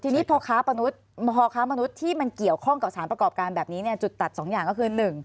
ทีนี้พอค้ามนุษย์พอค้ามนุษย์ที่มันเกี่ยวข้องกับสารประกอบการแบบนี้เนี่ยจุดตัดสองอย่างก็คือ